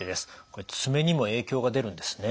これ爪にも影響が出るんですね。